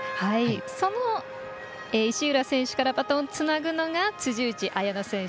その石浦選手からバトンをつなぐのが辻内彩野選手。